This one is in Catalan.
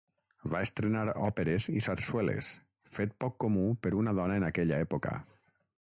Va estrenar òperes i sarsueles, fet poc comú per una dona en aquella època.